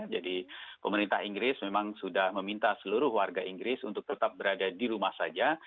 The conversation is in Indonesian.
jadi pemerintah inggris memang sudah meminta seluruh warga inggris untuk tetap berada di rumah saja